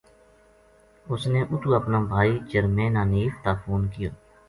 اس نے اُتو اپنا بھائی چرمین حنیف تا فون کیو